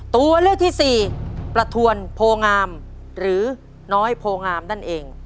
ตัวเลือกที่สี่ประทวนโพงามหรือน้อยโพงามนั่นเอง